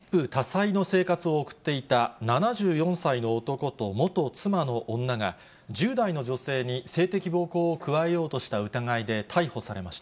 東京・東大和市で一夫多妻の生活を送っていた７４歳の男と元妻の女が、１０代の女性に性的暴行を加えようとした疑いで逮捕されました。